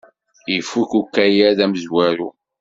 Ifuk ukayad amezwaru!